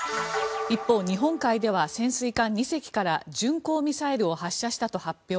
一方、日本海では潜水艦２隻から巡航ミサイルを発射したと発表。